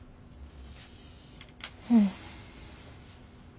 うん。